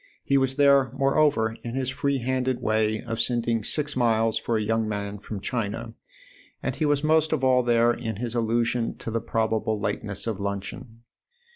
He was there moreover in his free handed way of sending six miles for a young man from China, and he was most of all there in his allusion to the probable lateness of luncheon.